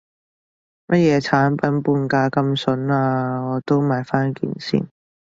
乜嘢產品半價咁筍啊，我都買返件先